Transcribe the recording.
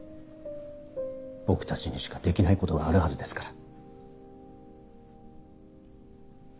僕たちにしかできないことがあるはずですから。